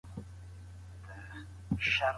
د اوښکو رود وو تاللی